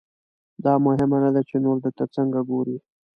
دا مهمه نه ده چې نور درته څنګه ګوري.